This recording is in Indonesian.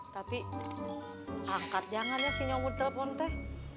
tapi angkat jangan ya si nyomut telepon teh